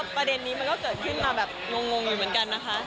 แต่ประเด็นนี้ก็เกิดขึ้นมาเมื่อยู่นะคะ